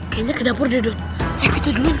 kayaknya ke dapur deh dot ayo kita duluin